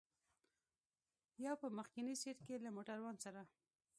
یو په مخکني سېټ کې له موټروان سره.